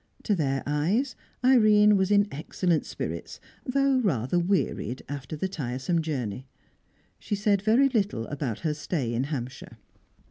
To their eyes, Irene was in excellent spirits, though rather wearied after the tiresome journey. She said very little about her stay in Hampshire.